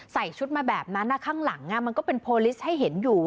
ใส่ชุดมาแบบนั้นข้างหลังมันก็เป็นโพลิสต์ให้เห็นอยู่